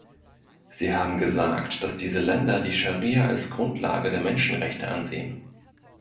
Sie haben gesagt, dass diese Länder die Scharia als Grundlage der Menschenrechte ansehen.